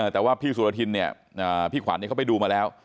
แต่ว่าพี่สุรทินเนี่ยพี่ขวัญเขาไปดูมาแล้ว